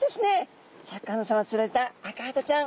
シャーク香音さまが釣られたアカハタちゃん。